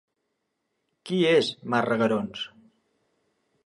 Qui és Mar Reguerons?